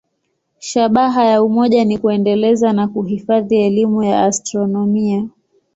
Shabaha ya umoja ni kuendeleza na kuhifadhi elimu ya astronomia.